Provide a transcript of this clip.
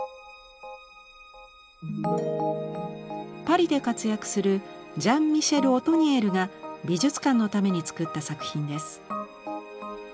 パリで活躍するジャン＝ミシェル・オトニエルが美術館のために作った作品です。